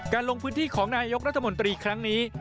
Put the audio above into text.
ลงพื้นที่ของนายกรัฐมนตรีครั้งนี้